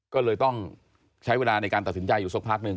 ก็เลยต้องใช้เวลาในการตัดสินใจอยู่สักพักหนึ่ง